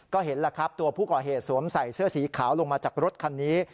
ก็เห็นแล้วครับตัวผู้ก่อเหตุสวมใส่เสื้อสีขาวลงมาจากรถคันนี้